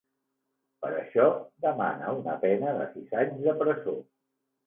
Per això, demana una pena de sis anys de presó.